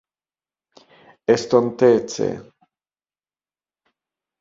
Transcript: estontece